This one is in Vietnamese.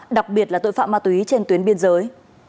đặc biệt là tội phạm ma túy trên tuyến biên giới